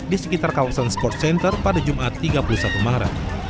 di sekitar kawasan sports center pada jumat tiga puluh satu maret